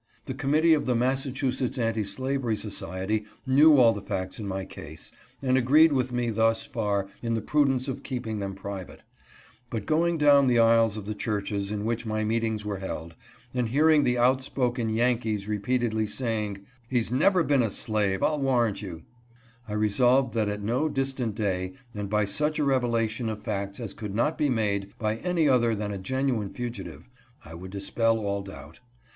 The committee of the Massachusetts Anti Slavery Society knew all the facts in my case and agreed with me thus far in the prudence of keeping them private ; but going down the aisles of the churches in which my meetings were held, and hearing the outspoken Yankees repeatedly saying, " He's never been a slave, I'll warrant you," I resolved that at no distant day, and by such a revelation of facts as could not be made by any other than a genuine fugitive, I would dis pel all doubt.